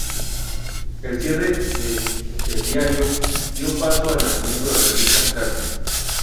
El cierre de "El Diario" dio paso al nacimiento de la revista "Claves".